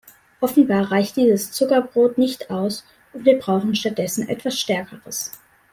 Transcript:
Offenbar reicht dieses Zuckerbrot nicht aus, und wir brauchen stattdessen etwas Stärkeres.